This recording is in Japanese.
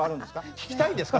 聞きたいんですか？